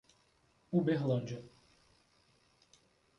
Uberlândia